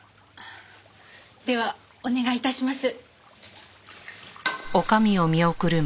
ではお願い致します。